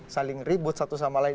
saling ribut satu sama lain